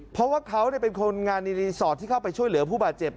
เพราะว่าเขาเป็นคนงานในรีสอร์ทที่เข้าไปช่วยเหลือผู้บาดเจ็บ